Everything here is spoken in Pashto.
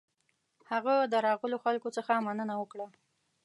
هغه د راغلو خلکو څخه مننه وکړه.